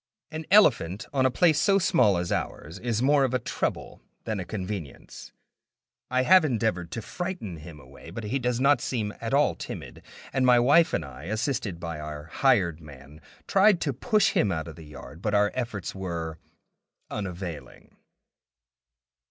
An elephant on a place so small as ours is more of a trouble than a convenience. I have endeavored to frighten him away, but he does not seem at all timid, and my wife and I, assisted by our hired man, tried to push him out of the yard, but our efforts were unavailing.